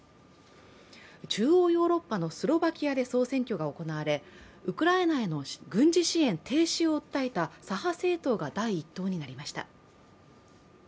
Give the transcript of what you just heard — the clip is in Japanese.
中央ヨーロッパのスロバキアで総選挙が行われウクライナへの軍事支援停止を訴えた左派政党が第一党になりました。